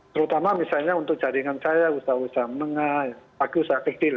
terutama misalnya untuk jaringan saya usaha usaha menengah bagi usaha kecil